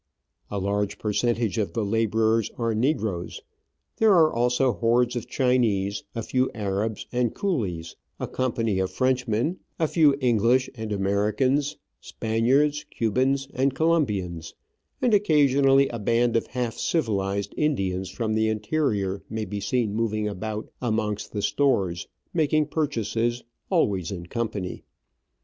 A large percentage of the labourers are negroes ; Digitized by VjOOQIC 2i6 Travels and Adventures there are also hordes of Chinese, a few Arabs and coolies, a company of Frenchmen, a few English and Americans, Spaniards, Cubans, and Colombians ; and occasionally a band of half civilised Indians from the interior may be seen moving about amongst the stores, making purchases, always in company.